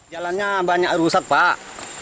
jalannya banyak rusak pak